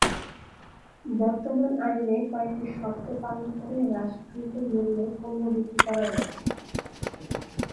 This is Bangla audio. বর্তমান আইনে কয়েকটি শর্ত পালন করে হ্রাসকৃত মূল্যে পণ্য বিক্রি করা যায়।